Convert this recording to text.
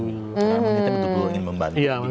karena kita betul betul ingin membantu